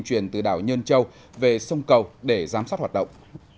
truyền từ đảo nhơn châu về sông cầu để giám sát hoạt động